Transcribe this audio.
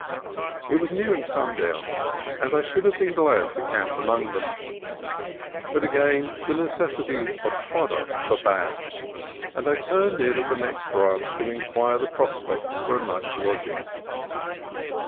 It was nearing sundown, and I should have been glad to camp among them, but again the necessity of fodder forbade, and I turned in at the next ranch PORTUGUESE FRIENDLINESS 213 to inquire the prospects for a night's lodging.